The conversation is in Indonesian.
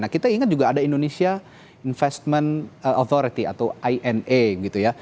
kita ingat juga ada indonesia investment authority atau ina gitu ya